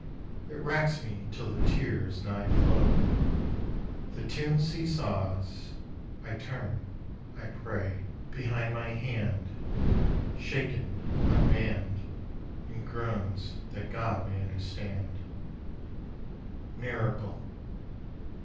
It racks me till the tears nigh flow. The tune see saws. I turn, I pray Behind my hand, Shaken, unmanned, In groans that God may understand: Miracle!